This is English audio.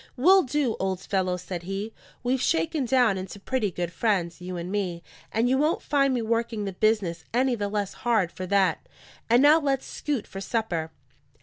"We'll do, old fellow," said he. "We've shaken down into pretty good friends, you and me; and you won't find me working the business any the less hard for that. And now let's scoot for supper."